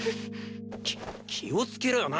き気をつけろよな！